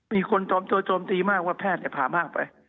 มีคนโจมตีม่าว่าแพทย์่ไปผ่ามากไป